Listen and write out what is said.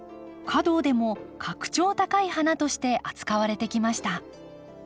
華道でも格調高い花として扱われてきました。